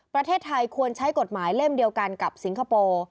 ประเทศไทยควรใช้กฎหมายเล่มเดียวกันกับสิงคโปร์